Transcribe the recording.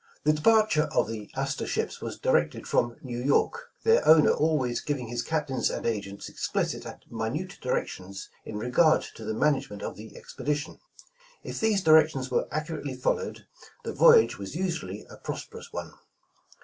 THE departure of the Astor ships was directed from New York, their owner alwaj^s giving his captains and agents explicit and minute direc tions in regard to the management of the expedition. If these directions were accurately followed, the voyage was usually a prosperous one.